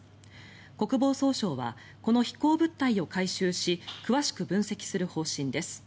国防総省はこの飛行物体を回収し詳しく分析する方針です。